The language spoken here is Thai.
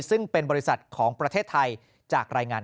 ซึ่งเป็นบริษัทของประเทศไทยจากรายงาน